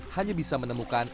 hanya bisa menemukan tiga cangkang